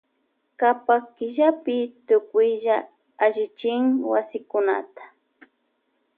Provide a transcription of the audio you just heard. Kapak killapi tukuylla allichin wasikunata.